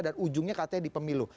dan ujungnya katanya di pemilu